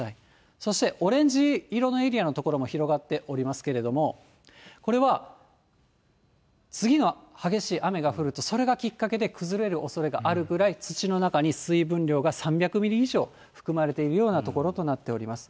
そしてオレンジ色のエリアの所も広がっておりますけれども、これは、次の激しい雨が降ると、それがきっかけで崩れるおそれがあるぐらい、土の中に水分量が３００ミリ以上、含まれているような所となっています。